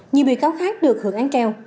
nhiều bị cáo khác được hưởng án treo